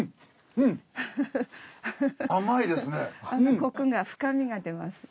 コクが深みが出ます。